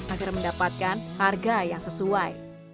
agar mendapatkan harga yang sesuai